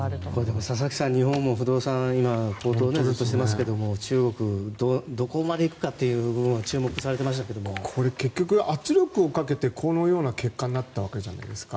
でも佐々木さん日本も不動産、高騰してますが中国はどこまで行くかという部分は注目されてましたけどこれ結局、圧力をかけてこのような結果になったわけじゃないですか。